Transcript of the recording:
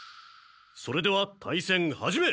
それでは対戦始め！